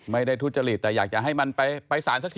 ไม่ได้ทุจริตแต่อยากจะให้มันไปศาลสักที